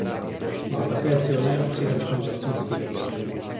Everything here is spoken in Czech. Má také silné oxidační vlastnosti.